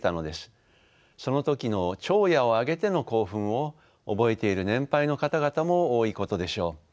その時の朝野を挙げての興奮を覚えている年配の方々も多いことでしょう。